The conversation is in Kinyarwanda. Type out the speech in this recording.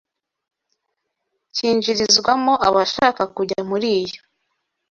cyinjirizwamo abashaka kujya muri iyo